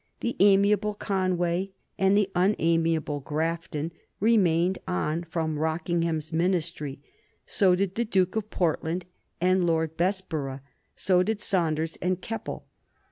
The amiable Conway and the unamiable Grafton remained on from Rockingham's Ministry. So did the Duke of Portland and Lord Bessborough, so did Saunders and Keppel.